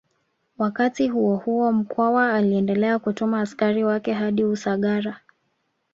Wakati huohuo Mkwawa aliendelea kutuma askari wake hadi Usagara